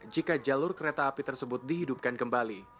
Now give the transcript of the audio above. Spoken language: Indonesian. jika jalur kereta api tersebut dihidupkan kembali